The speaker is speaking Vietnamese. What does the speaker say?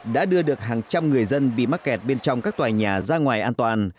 đã đưa được hàng trăm người dân bị mắc kẹt bên trong các tòa nhà ra ngoài an toàn